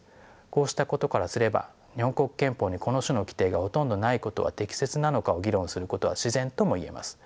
こうしたことからすれば日本国憲法にこの種の規定がほとんどないことは適切なのかを議論することは自然とも言えます。